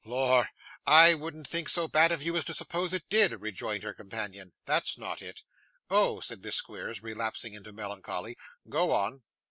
'Lor! I wouldn't think so bad of you as to suppose it did,' rejoined her companion. 'That's not it.' 'Oh!' said Miss Squeers, relapsing into melancholy. 'Go on.